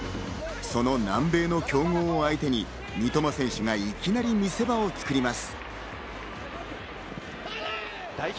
その南米の強豪相手に、三笘選手がいきなり見せ場を作ります。